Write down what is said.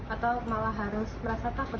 atau malah harus merasa takut